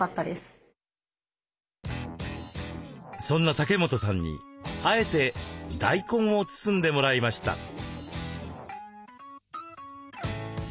そんな竹本さんにあえて大根を包んでもらいました。